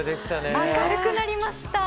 もう明るくなりました。